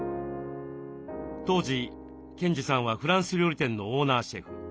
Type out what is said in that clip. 当時賢治さんはフランス料理店のオーナーシェフ。